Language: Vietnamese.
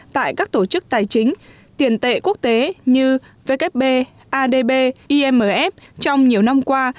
tại các tổ chức tài chính tiền tệ quốc tế như vkp adb imf trong nhiều năm qua